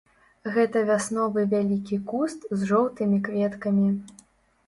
Гэта вясновы вялікі куст з жоўтымі кветкамі.